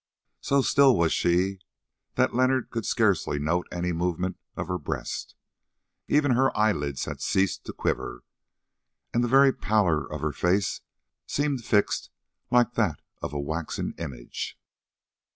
So still was she that Leonard could scarcely note any movement of her breast. Even her eyelids had ceased to quiver, and the very pallor of her face seemed fixed like that of a waxen image.